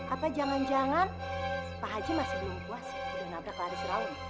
apa jangan jangan pak haji masih belum puas udah nabrak lari si rawun